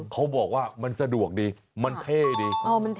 เขาบอกว่ามันสะดวกดีมันเท่ดี